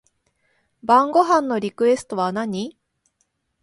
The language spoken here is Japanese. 晩ご飯のリクエストは何